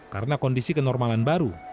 karena kondisi kenormalan baru